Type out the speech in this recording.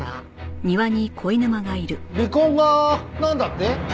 離婚がなんだって？